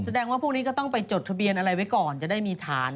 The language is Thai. แสดงว่าพวกนี้ก็ต้องไปจดทะเบียนอะไรไว้ก่อนจะได้มีฐาน